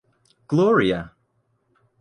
Gloria!